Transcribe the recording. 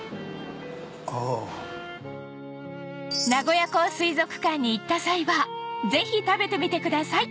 名古屋港水族館に行った際はぜひ食べてみてください